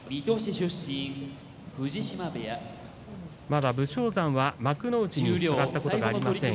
まだ武将山は幕内に上がったことがありません。